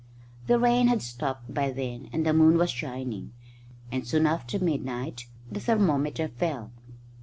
The rain had stopped by then and the moon was shining, and soon after midnight the thermometer fell.